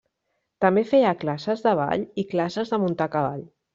També feia classes de ball i classes de muntar a cavall.